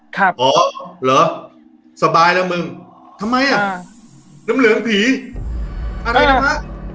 อ๋อเหรอสบายแล้วมึงทำไมอ่ะน้ำเหลืองผีอะไรนะฮะ